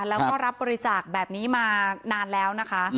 แล้วก็รับบริจาคแบบนี้มานานแล้วนะคะ